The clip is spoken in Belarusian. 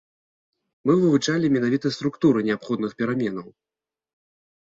Мы вывучалі менавіта структуру неабходных пераменаў.